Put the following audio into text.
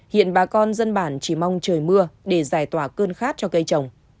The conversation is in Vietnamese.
hiện bà con dân bản chỉ mong trời mưa để giải tỏa cơn khát cho cây trồng